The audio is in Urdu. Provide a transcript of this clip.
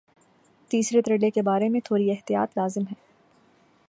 تیسرے ترلے کے بارے میں تھوڑی احتیاط لازم ہے۔